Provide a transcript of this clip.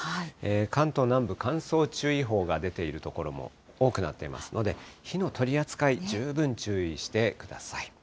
関東南部、乾燥注意報が出ている所も多くなっていますので、火の取り扱い十分注意してください。